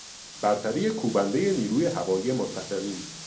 برتری کوبندهی نیروی هوایی متفقین